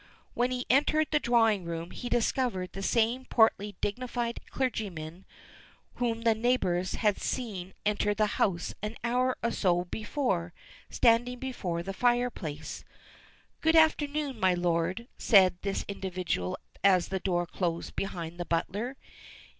When he entered the drawing room he discovered the same portly, dignified clergyman whom the neighbors had seen enter the house an hour or so before, standing before the fireplace. "Good afternoon, my lord," said this individual as the door closed behind the butler.